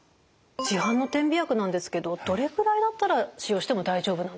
市販の点鼻薬なんですけどどれぐらいだったら使用しても大丈夫なんですか？